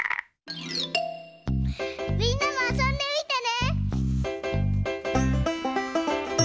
みんなもあそんでみてね！